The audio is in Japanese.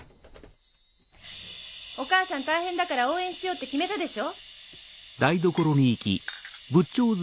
お母さん大変だから応援しようって決めたでしょ。